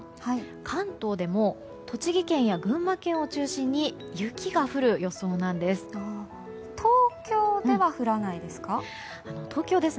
関東でも栃木県や群馬県を中心に雪が降る予想なんです。